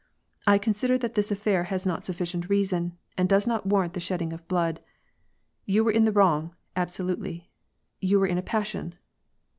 I consider that this affair has not sufficient reason, and does not warrant the shedding of blood. — You were in the wrong, absolutely, you were in a passion.